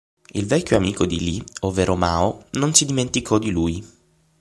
Il vecchio amico di Li, ovvero Mao, non si dimenticò di lui.